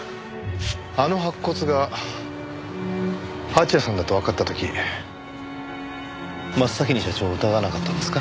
あの白骨が蜂矢さんだとわかった時真っ先に社長を疑わなかったんですか？